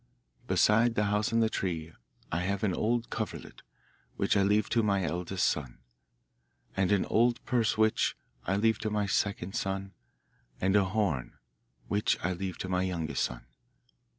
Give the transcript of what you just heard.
Besides the house and tree, I have an old coverlet, which I leave to my eldest son. And an old purse, which I leave to my second son. And a horn, which I leave to my youngest son.